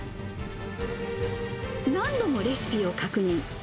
何度もレシピを確認。